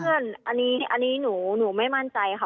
เพื่อนอันนี้หนูไม่มั่นใจค่ะ